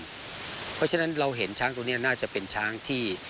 เพราะฉะนั้นเราเห็นช้างตัวนี้น่าจะเป็นช้างที่